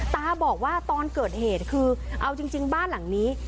ตาบอกว่าตอนเกิดเหตุคือเอาจริงบ้านหลังนี้